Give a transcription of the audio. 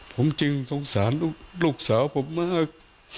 ผมจึงสงสารลูกสาวผมมาก